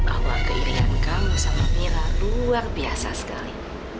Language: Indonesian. awal keirian kamu sama mira luar biasa sekali